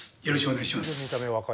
よろしくお願いします。